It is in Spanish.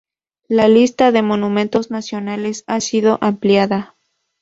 La lista de Monumentos Nacionales ha sido ampliada.